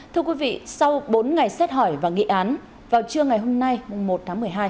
thưa quý vị sau bốn ngày xét hỏi và nghị án vào trưa ngày hôm nay một tháng một mươi hai